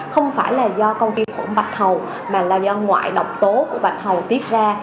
không phải là do công ty phẫu bạch hầu mà là do ngoại độc tố của bạch hầu tiết ra